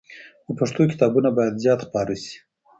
د پښتو کتابونه باید زیات خپاره سي.